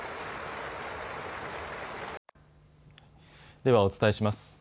ではお伝えします。